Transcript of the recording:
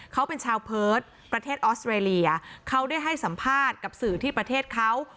เขาเป็นชาวเพิร์ตประเทศออสเตรเลียเขาได้ให้สัมภาษณ์กับสื่อที่ประเทศเขา